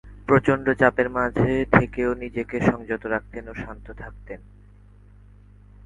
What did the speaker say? প্রচণ্ড চাপের মাঝে থেকেও নিজেকে সংযত রাখতেন ও শান্ত থাকতেন।